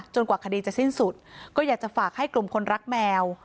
กว่าคดีจะสิ้นสุดก็อยากจะฝากให้กลุ่มคนรักแมว